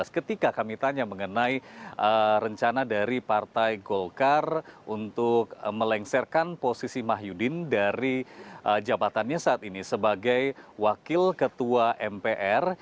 ketika kami tanya mengenai rencana dari partai golkar untuk melengsarkan posisi mah yudin dari jabatannya saat ini sebagai wakil ketua mpr